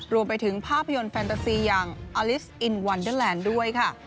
รวมไปถึงภาพยนตร์แฟนเตอร์ซีอย่างอลิสอินวันเดอร์แลนด์ด้วยค่ะ